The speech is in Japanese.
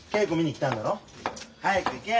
早く行けよ。